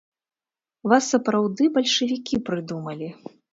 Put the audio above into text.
Вас сапраўды бальшавікі прыдумалі!